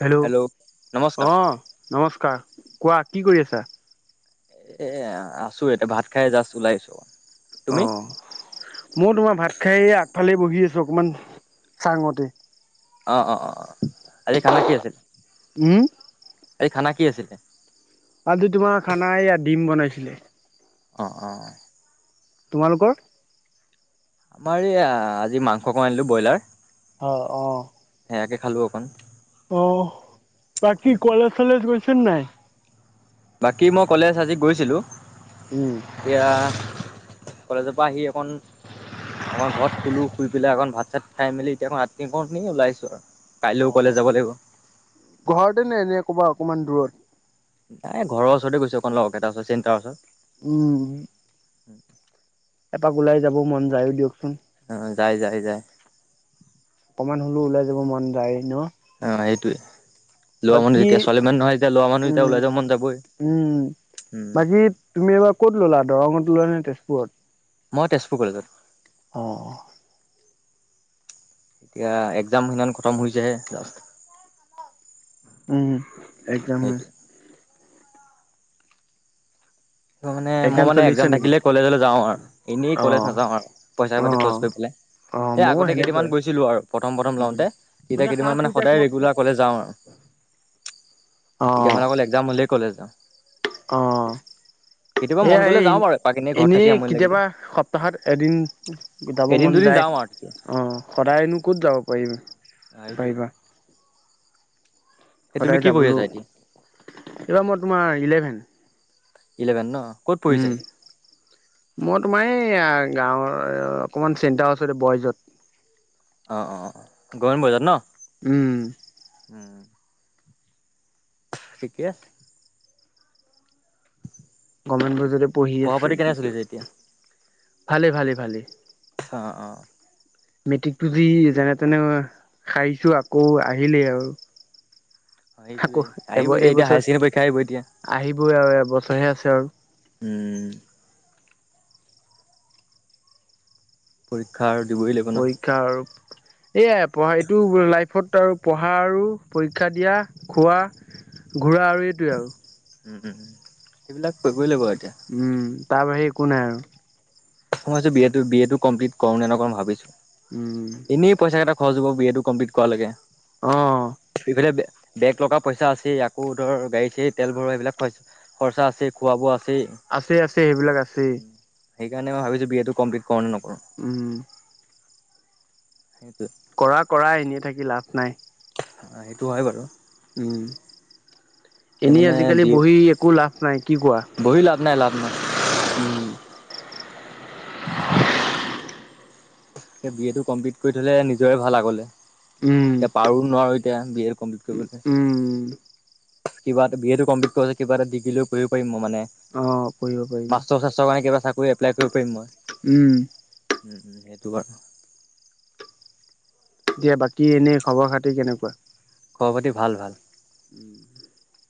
Hello নমস্কাৰ অ', নমস্কাৰ কোৱা কি কৰি আছা? এ আছো এতিয়া ভাত খাই জাষ্ট ওলাইছো‌। অ', মোৰ তোমাৰ ভাত খায়ে এয়া ফালে বহি আছো। অকমান চাঙতে অ অ অ অ আজি খানা কি আছিল? উম, [unintelligible] এই খানা কি আছিলে? আজি তোমাৰ খানাই ডিম বনাইছিলে। অ', অ', তোমালোকৰ? আমাৰ এয়া, আজি মাংসকন আনিলো ব্ৰইলাৰ অ', অ', বেয়াকে খালো অকণ অ', বাকী কলেজ চলেজ গৈছে নাই? বাকী মই কলেজ আজি গৈছিলোঁ। উম, এয়া কলেজৰ পৰা আহি অকন আমাৰ ঘৰত শুলোঁ, শুই পেলাই অকণমান ভাত চাত খাই মেলি এতিয়া এতিয়া কিনি ওলাই আহিছো আৰু কাইলৈও কলেজ অ', যাব লাগিব ঘৰতে নে এনে ক'বা অকমান দূৰত নাই ঘৰৰ ওচৰতে গৈছো অকমান লগকেইটা এটা চিণ্টাৰ ওচৰত। উম। [inaudible] এপাক ওলাই যাব মন যায়ো দিয়কচোন অ', যাই- যাই -যাই এনেও হ'লেও ওলাই যাব মন যায় ন। অ, এইটোৱে। ল'ৰা মানুহ বাকী যেতিয়া ছোৱালী মানুহ নহয় যেতিয়া এতিয়া ল'ৰা মানুহ এতিয়া উম, ওলাই যাব মন যাবই। উম, উম বাকী তুমি এইবাৰ ক'ত ল'লা দৰঙত ল'লা নে তেজপুৰত? মই তেজপুৰ কলেজত। অ'। এতিয়া এক্সাম সেইদিনা খতম হৈছেহে জাষ্ট। উম একদমেই। সেইটো ত মানে মই মানে চলি আছে একজাম নেকি? থাকিলে কলেজলৈ যাওঁ আৰু এনেই কলেজ অ', নাযাওঁ আৰু পইচা পাতি খৰচ অ', কৰি পেলাই। অ', এ ময়ো আগতে সেনেকুৱাই কেইদিনান গৈছিলো আৰু প্ৰথম প্ৰথম উম, লওঁতে এতিয়া কেইদিনান মানে সদায় ৰেগুলাৰ কলেজ যাওঁ আৰু। এতিয়া অ', মানে, অকল একজাম হ'লে, ক'লেজ যাওঁ? অ'। কেতিয়াবা, মন এয়া গ'লে এই যাওঁ বাৰু এপাক। ঘৰত থাকি এনেই আমনি লাগিলে কেতিয়াবা সপ্তাহত এদিন যাব এদিন মন দুদিন যায়। যাওঁ আৰু তেতিয়া অ', সদায়নো ক'ত যাব পাৰি ম অ', সেইটোৱে। এই তুমি সদায় কি পঢ়ি যাবলেও, আছা এতিয়া এইবাৰ মই তোমাৰ, ইলেভেন। ইলেভেন ন। ক'ত পঢ়িছা উম, এতিয়া মই তোমাৰ এই, গাঁৱৰ অকমান চিন্তা আছে বইজত অ' অ' উম, অ'! [unintelligible] থিকে আছে। কমেন্ট বোৰ যদি পঢ়ি পঢ়া আছে, পাতি কেনে চলিছে এতিয়া [unintelligible] ভালে-ভালে-ভালে! অ অ মেট্ৰিক টো যি যেনে তেনে অ সাৰিছো আকৌ আহিলেই আৰু। অ সেইটোৱে আকৌ আহিব এব এতিয়া এতিয়া হায়াৰ এইবছৰ ছেকেণ্ডেৰী পৰীক্ষা আহিব এতিয়া আহিবই আৰু এবছৰহে আছে আৰু উম। পৰীক্ষাৰ পৰীক্ষা আৰু এইয়াই পঢ়া, এইটো লাইফত আৰু পঢ়া আৰু পৰীক্ষা দিয়া, খোৱা। ঘূৰা আৰু এইটোৱে আৰু। উম উম সেইবিলাক কৰিম। উম তাৰ বাহিৰে একো নাই আৰু। মইছ যে বি এ টো বি এ টো কমপ্লিট কৰো নে নকৰো ভাবিছো। উম। হৈ যাব বি এটো কম্পিলিট কৰা লৈকে। অ'। এই বেক লগা পইচা আছে আকৌ ধৰ গাড়ী চা় ৰী তেল ভৰৱা এইবিলাক খৰচা আছে খোৱা বোৱা আছেই আছে আছে এইবিলাক আছেই। সেইকাৰণে, মই ভাবিছোঁ! বি এটো কমপ্লিট কৰোঁনে, নকৰোঁ। উম [unintelligible] সেইটো কৰা কৰা এনেই থাকি লাভ নাই। অ'! সেইটো হয় বাৰু। উম এতিয়া এনেই মানে আজিকালি বি এ বহি একো লাভ নাই কি কোৱা। বহি [unintelligible] উম! [unintelligible] বি এ টো কমপ্লিট কৰি থলে নিজৰে ভাল আগলে। উম এতিয়া পাৰো নোৱাৰো এতিয়া বি এ কমপ্লিট উম কৰিবলৈ। কিবা এটা, বি এটো কমপ্লিট কৰাৰ পিছত, কিবা এটা ডিগ্ৰীও পঢ়িব পাৰিম মইয়ো। মানে, অ পঢ়িব পাৰিবা মাষ্টৰ-চাষ্টৰ কাৰণে, কিবা চাকৰি এপ্লাই কৰিব পাৰিম, মই। উম। উম, উম, সেইটো বাৰু এতিয়া বাকী এনেই খবৰ খাতি কেনেকুৱা খবৰ পাতি ভাল ভাল [unintelligible]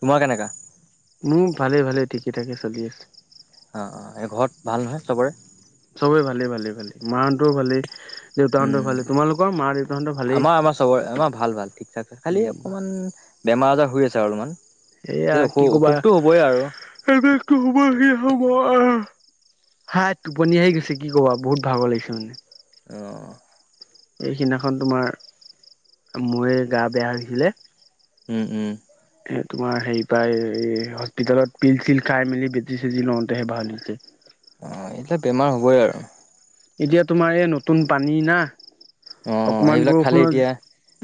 তোমাৰ কেনেকা? উ ভালে ভালে ঠিকে থাকে চলি আছে অ' অ'! এই ঘৰত ভাল নহয়, চবৰে? চবেই ভালে-ভালে-ভালেই! মাহঁতৰো ভালেই। দেউতাহঁতৰ ভালেই উম তোমালোকৰ মা দেউতাহঁতৰ ভালেই আমাৰ আমাৰ চবৰে আমাৰ ভাল ভাল ঠিক খালি উম অকমান উম, বেমাৰ-আজাৰ হৈ আছে আৰু অলপমান। যে এয়া অসু কি কবা অসুখটো হ'বই আৰু এইবটো হ'ব ল হ'ব হা টোপনি আহি গৈছে কি ক'বা বহুত ভাগৰ লাগিছে মানে অঁ এইখিদিনাখন তোমাৰ ময় গা বেয়া হৈছিলে উম উম এ তোমাৰ হেৰি পাই এই হস্পিতালত পিল চিল খাই মেলি বেটি চেজী লওঁতে সে ভাল হৈছে অ এইতিয়া বেমাৰ হ'বই আৰু এতিয়া তোমাৰ এই নতুন পানী না অ অকণমান সেইবিলাক খালে বৰষুণত এতিয়া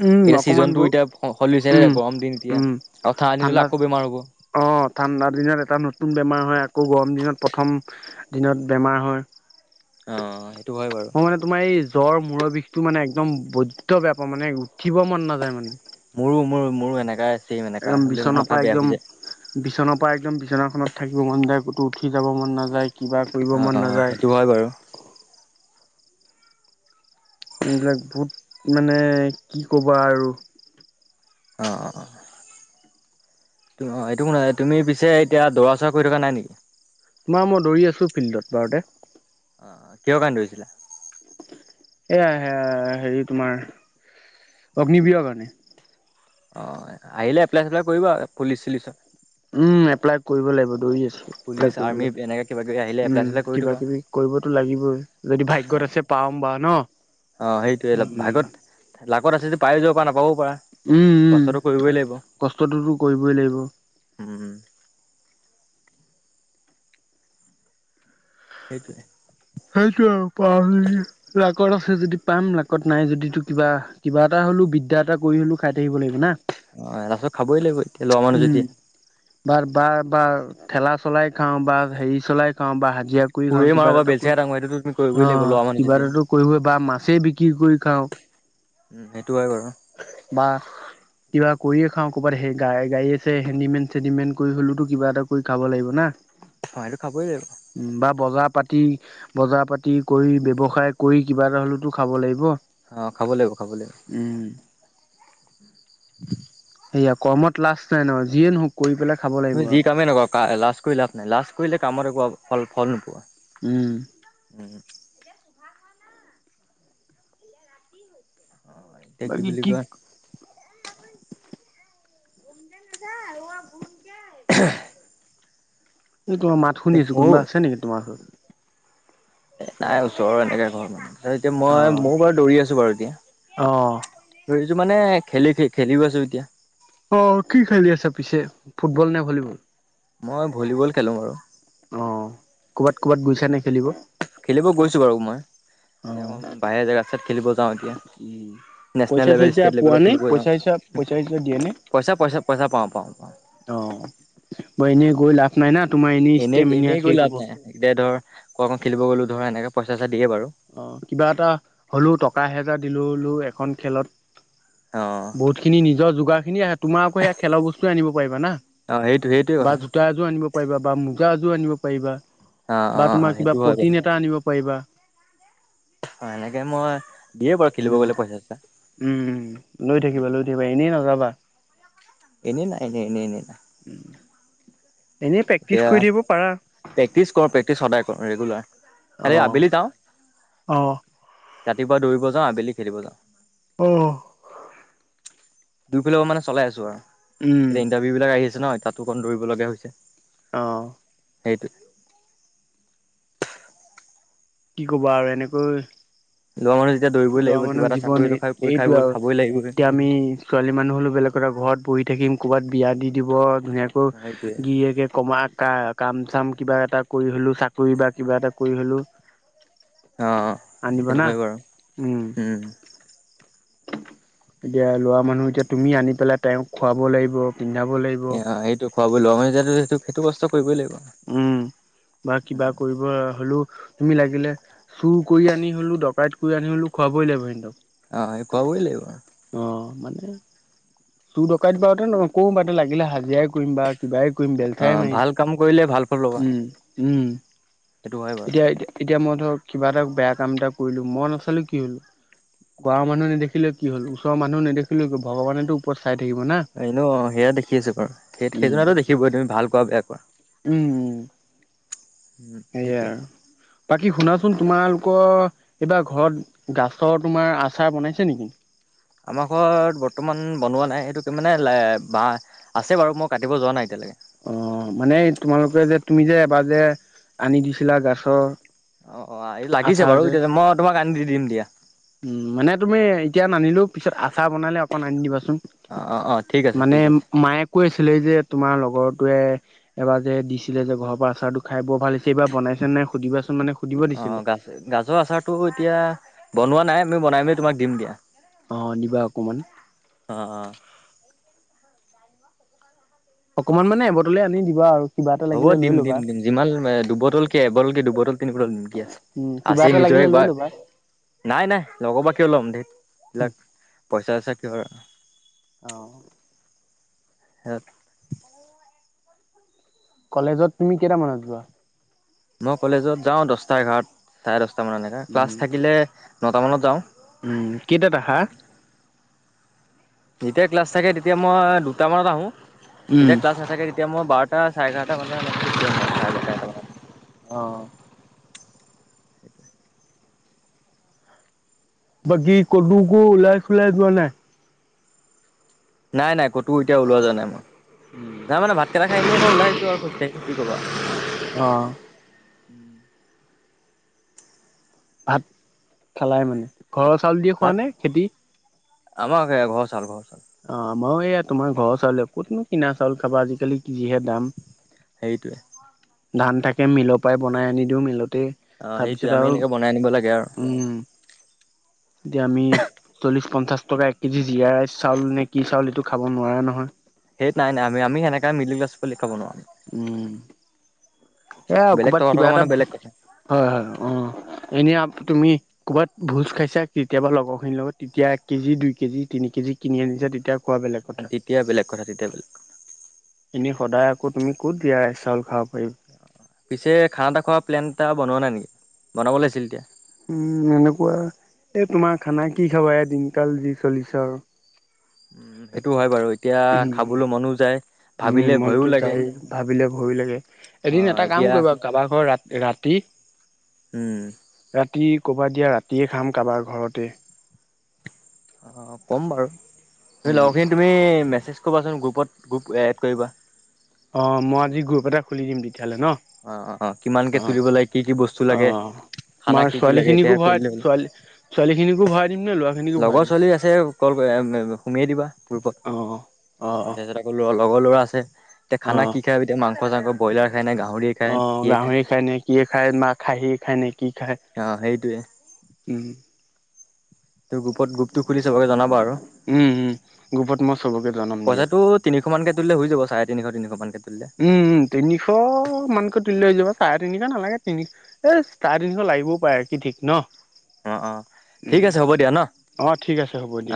উম এতিয়া অকমান ব ছিজনতটো এতিয়া সলিছে ন উম গৰম দিন এতিয়া উম আৰু ঠা হলে ঠাণ্ডা আকৌ বেমাৰ হ'ব অ'! ঠাণ্ডা দিনত এটা, নতুন বেমাৰ হয়। আকৌ, গৰম দিনত প্ৰথম, দিনত বেমাৰ হয় অ হয় বাৰু মই মানে, তোমাৰ এই জ্বৰ বিষটো মানে একদম বৈদ্য বেয়া পাওঁ মানে উঠিব মন নাযায় মানে মোৰো মোৰো মোৰো এনেকাই আছে একদম বিচনাৰ পৰা একদম বিচনাৰ পৰা একদম বিচনাখনত থাকিব মন যায় কতো উঠি শিকিকাব মন নাযায় কিবা কৰিব অ মন অ নাযায় সেইটো হয় বাৰু এইবিলাক বহুত মানে কি কবা আৰু অঁ অঁ অঁ অ এইটো ক ন তুমি পিছে এতিয়া দৌৰা চৌৰা কৰি থকা নাই নেকি তোমাৰ মই দৌৰি আছোঁ, ফিল্ডত পাৰতে। অ কিয় কান্দ হৈছিলা এয়া সেয়া হেৰি তোমাৰ অগ্ন বিহৰ কাৰণে। অ' আহিলে এপ্লাই চপ্লাই কৰিবা পুলিচ চুলিচত। উম, এপ্লাই কৰিব লাগিব দৌৰি পুলিচ আছোঁ। আৰ্মি এনেকে কিবা কিবি আহিলে উম এপ্লাই চেপ্লাই কৰি কিবা থবা কিবি কৰিবতো লাগিবই যদি ভাগ্যত আছে পা পাম বা ন। অ সেইটোয়ে, উম ভাগ্যত লাকত আছে যদি পায়ো যাব পাৰা নাপাৱও উম উম, কষ্টটোতো কৰিবই লাগিব। উমম সেইটোৱে সেইটোৱে পা লাকত আছে যদি পাম, লাকত নাই যদিতো কিবা কিবা এটা হ'লও বিদ্যা এটা কৰি হ'লো খাই থাকি দিব লাগিব না অ ৰাসত খাবই লাগিব এতিয়া লোৱা মানুহ যেতিয়া বাাৰ বা বা ঠেলা চলাই খাওঁ বা হেৰি চলাই খাওঁ বা হাজিৰা কৰি খাওঁ কোৰেই মাৰো কিবা বা এটা বেলচেৰাই কৰি দাঙো সেইটোতো তুমি কৰিবই লাগিব অ' ল'ৰা মানুহ কিবা যেতিয়া এটাটো কৰিবই বা মাছেই বিক্ৰী কৰি খাওঁ। উম, সেইটো হয় বাৰু। বা কিবা কৰিয়ে খাওঁ ক'ৰবাত স গ গাড়ী আছে হেডিমেন চেডিমেন কৰি হ'লেতো কিবা এটা কৰি খাব লাগিব না কমাইটো খাবই লাগিব। উম বা বজাৰ পাতি বজাৰ পাতি কৰি ব্যৱসায় কৰি কিবা এটা হ'লেওতো খাব লাগিব। অ' খাব লাগিব খাব লাগিব। উম [unintelligible] সেয়া কৰ্মত লাজ নাই নহয়, যিয়ে নহওক কৰি পেলাই খাব তুমি লাগিব যি আৰু কামেই নকৰা লাজ কৰি লাভ নাই লাজ কৰিলে কামত একো ফল নোপোৱা। উম, এতিা খা [unintelligible] অ' এতিয়া কি বুলি কোৱা নাযায় অ' সোনকে [unintelligible] এই তোাৰ মাত শুনিছো কোনবা আছে নেকি তোমাৰ ওৰত। এ নাই ওচৰৰ এনেকে ঘৰ মান এতিয়া মই মোৰ বাৰু দৌৰি আছো বাৰু এতিয়া অঁ দৌৰিছো মানে খেলি খ খেলিও আছো এতিয়া। অ' কি খেলি আছা পিছে ফুটবল নে ভলীবল? মই ভলীবল খেলোঁ আৰু। অ' ক'বাত-ক'বাত গৈছা নে খেলিব। খেলিব গৈছো বাৰু মই এ বাহিৰ ৰাস্তাত খেলিব যাওঁ এতিয়া উম, নেচনেল পইচা লেভেল চইচা ষ্টেট পোৱা লেভেলত নাই খেলিব যাওঁ পইচা হিচা পইচা হিচা দিয়ে নাই? পইচা পইচা পইচা পাওঁ পাওঁ পাওঁ অ' মই এনেই গৈ লাভ নাই না। তোমাৰ এনেই ষ্টেমিনা এনেই-এনেই গলে শেষ লাভ হ'ব। নাই এতিয়া ধৰ কোৱা ক খেলিব গ'লো ধৰ এনেকে পইচা চইচা দিয়ে বাৰু অ কিবা এটা হলো টকা হেজাৰ দিলোলো এখন খেলত অ বহুত খিনি নিজৰ যোগাৰ খিনি আহে তোমাৰ আকৌ সেয়া খেলৰ বস্তুৱয়ে আনিব পাৰিবা না। অ' সেইটো সেইটোৱে কথা। আ, পাৰিবা বা মোজা এযোৰ আনিব পাৰিবা অ বা অ তোমাৰ সেইটো হয় বাৰু প্ৰটিন এটা আনিব পাৰিবা। অ' এনেকে মই দিয়ে বাৰু খেলিব গ'লে পইচা চইচা উম-উম লৈ থাকিবা লৈ থাকিবা এনেই নাযাবা। এনে নাই এনে-এনে-এনে ন উম, এতিয়া প্ৰেক্টিচ কৰো প্ৰেক্টিছ সদায়। ৰেগুলাৰ অ খালি আবেলি যাওঁ। অ', ৰাতিপুৱা দৌৰিব যাওঁ আবেলি খেলিব যাওঁ। অহ, দুইফাল পৰা মানে চলাই আছো আৰু উম এতিয়া ইণ্টাৰভিউ বিলাক আহি আছে ন তাতো অকণ দৌৰিবলগীয়া হৈছে। আহঁ সেইটো কি কবা আৰু এনেকৈ ল'ৰা মানুহ যেতিয়া দৌৰিবই লৰা লাগিব কিবা মানুহৰ এটা চাকৰি জীৱন হলেও খাই কৰি খাই এইটো বৈ আৰু খাবই লাগিবই এতিয়া আমি ছোৱালী মানুহ হলেও বেলেগ। কা ঘৰত বহি থাকিম ক'ৰবাত বিয়া দি দিব ধুনীয়াকৈ সেইটোৱে গিৰিকে কমা ক কাম চাম কিবা এটা কৰি হ'লো চাকৰি বা কিবা এটা কৰি হ'লো। অ' সেইটো না ভবিম আৰু উম, এতিয়া লৰা মানুহ এতিয়া তুমি আনি পেলাই তেওঁক খুৱাব লাগিব। পিন্ধাব লাগিব এ সেইটো খোৱাব লোৱা আমিটো সেইটো বস্তু উম, বা কিবা অ কৰিব হ'লেও। তুমি লাগিলে চুৰ কৰি আনি হলো দকাইত কৰি আনি হলো খুৱাবই লাগিব কিন্তু। অ, এই কোৱাব লাগিব। অ' মানে চুৰ দকাই দিবাতে ন কো বা লাগিলে হাজিৰাাই কৰিম বা কিবাই, কম বেলথাই মাৰিম ভাল কাম কৰিলে ভাল ফল ল'বা উম-উম। সেইটো হয় বাৰু এতিয়া, এতিয়া মই ধৰ কিবা এটা বেয়া কাম এটা কৰিলো মই নাচালো কি হলো গাঁৱৰ মানুহ দেখিলে কি হ' ওচৰৰ মানুহে নেদেখিলে কিয় হব ভগৱানেতো উপস্থ [unintelligible] সেয়া দেখি আছে বাৰু, সেই উম সেইজনেতো দেখিব তুমি ভাল কোৱা বেয়া কোৱা। উম উ উম সেইটোৱে। বাকী, শুনাচোন তোমালোকৰ এইবাৰ ঘৰত গাছৰ তোমাৰ আচাৰ বনাইছে নেকি? আমাৰ ঘৰত বৰ্তমান বনোৱা নাই, এইটো মানে বাহ অ' মানে তোমালোকে যে তুমি যে এবাৰ যে আনি দিছিলা গাছৰ। অ' অ' এই লাগিছে আচাৰ বাৰু, যে এতিয়া মই তোমাক আনি দি দিম দিয়া। উম, মানে তুমি এতিয়া নানিলো পিছত আ চাৰ বনালে অকণ আনি দিবাচোন। অ অ অ ঠিক আছে মানে ঠিক আছে মায়ে কৈ আছিলে যে তোমাৰ লগৰটোৱে এবাৰ যে দিছিলে যে ঘৰৰ পৰা আচাৰটো খাই বৰ ভালিছে এইবাৰ বনাইছে নে সুধিবাচোন মানে সুধিব অ দিছিলে। গা-গাজৰ আচাৰটো এতিয়া বনোৱা নাই আমি বনাই মি তোমাক দিম দিয়া। অ দিবা অকমান। অ অকমান মানে এবটলে আনি দিবা আৰু। কিবা এটা হ'ব লাগিলে লৈ দিম দিম ল'বা। দিম যিমান দুবটল কে এবটল কে দুবটল তিন বটল দিম কি আছে। উম কিবা আছে এটা নিজৰ লাগিলে লৈ একবাৰ ল'বা নাই নাই লগৰ পৰা কিয় ল'ম দে এইবিলাক পইচা চইচা কিয় অ হাত কলেজত তুমি কেইটামান আহিবা? মই কলেজত যাওঁ দহটা এঘাৰত চাৰে দহট মান এনেকা ক্লাছ উম থাকিলে নটামানত যাওঁ। উম কেইটাত আহা? যেতিয়া ক্লাছ থাকে তেতিয়া মই দুটা মানত আহো। উম যেতিয়া ক্লাছ নাথাকে তেতিয়া মই বাৰটা চাৰে এঘাৰটা বানাত এনেকে গুচি আহো আৰু চাৰে বাৰটা এটা মানত। অ সেইটোৱে। বাকী কলৈকো ওলাই চুলাই যোৱা নাই? নাই নাই ক'তো এতিয়া ওলোৱা যোৱা নাই মই নাই মানে ভাতকেইটা খাই এনেই এখন ওলাইছো আৰু খোজকাঢ়ি কি কবা। অ উম। ভাত খালাই মানে, ঘৰৰ চাউল দিয়ে খোৱা ভাত নে খেতি? আমাৰ ঘৰৰ চাউল ঘৰ মই এইয়া তোমাৰ ঘৰৰ চাউলে ক'তনো কিনা চাউল খাবা আজিকালি যিহে দাম। সেইটোৱে। ধান থাকে মিলৰ পৰাই বনাই আনি দিওঁ মিলত অ' সেইটোৱে তাৰপিছত আমি আৰু এনেকে বনাই আনিব লাগে আৰু। উম এতিয়া আমি চল্লিশ পঞ্চাশ টকা এক কেজি জীয়া চাইল চাউল নে কি চাউল এইটো খাব নোৱাৰা নহয় সেই নাই নাই আমি আমি সেনেককা মিডিল ক্লাছ খাব নোৱাৰোঁ। উম এয়া বেলেগ কৰ'বাত টকা কিবা থকা এটা মানুহ বেলেগ কথা। হয় হয় উ এনেই তুমি ক'ৰবাত ভোজ খাইছা কেতিয়াবা লগৰখিনিৰ লগত তেতিয়া এক কেজি দুই কেজি তিনি কেজি কিনি আনিছে তেতিয়া কোৱা বেলেগ কথা তেতিয়া বেলেগ কথা তেতিয়া বেলেগ এনে সদায় আকৌ তুমি ক'ত দিয়া চাউল খাব পাৰিব পিছে খানা এটা খোৱা প্লেন এটা বনোৱা নাই নেকি বনাব লাগিছিল তেতিয়া উম এনেকুৱা এ তোমাৰ খানা কি খাবা এই দিনকাল যি চলিছে আৰু উম, সেইটো হয় বাৰু এতিয়া খাবলৈ মনো যায়। উম ভাবিলে ভয়ো মনটো লাগে যায় ভাবিলে ভৰি এদিন অ' এটা কাম এতিয়া কৰিব কাৰবাৰ ঘৰ ৰা ৰাতি হম, ৰাতি ক'ৰবাত দিয়া ৰাতিয়ে খাম কাৰোবাৰ ঘৰতে অ ক'ম বাৰু তুমি উম লগৰখিনি তুমি মেছেজ কৰিবাচোন গ্ৰুপত গ্ৰুপ এড কৰিবা অ' মই আজি গ্ৰুপ এটা খুলি দিম দি। তেতিয়াহ'লে ন অ' অ' অ' কিমানকে তুলিব লাগে কি কি বস্তু লাগে অ-অ, খানা তোমাৰ কি কি ছোৱালী লাগে খিনিকো এতিয়া ভৰা কৰিলে হ'ল। ছোৱালী ছোৱালী খিনিকো ভৰাই দিম নে ল'ৰা লগৰ ছোৱালী আছে কল সোমিয়ে দিবা পূৰ্বত অ অ অ তাৰপিছতক লগৰ ল'ৰা আছে এতিয়া অ খানা কি খায় এতিয়া মাংস চাংস ব্ৰইলাৰ খায় নে গাহৰিয়ে খায় অ কিয়ে গাহৰি খায় নে কিয়ে খায় না খাহি খায় নেকি অ' সেইটোৱে। [unintelligible] ত গ্ৰুপত গ্ৰুপটো খুলি চবকে জনাবা আৰু উম উম গ্ৰুপত মই চবকে জনাম দিয়া পইচাটো তিনিশ মানকে তুলিলে হৈ যাব চাৰে তিনিশ তিনিশ মানকে তুলিলে। উম তিনিশ মানকৈ তুলিলে হৈ যাব চাৰে তিনিশ নালাগে তিনি এ চাৰ তিনিশ লাগিবও পাৰে কি ঠিক ন। অ' অ' ঠিক আছে হ'ব দিয়া ন উম অ ঠিক আছে হ'ব দিয়া